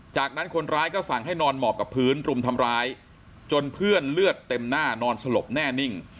จากนั้นคนร้ายก็สั่งให้นอนหมอบกับพื้นรุมทำร้ายจนเพื่อนเลือดเต็มหน้านอนสลบแน่นิ่ง